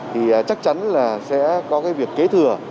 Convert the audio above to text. thì chắc chắn là sẽ có cái việc kế thừa